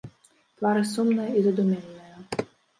Твары сумныя і задуменныя.